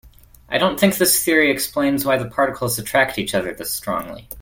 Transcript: I don't think this theory explains why the particles attract each other this strongly.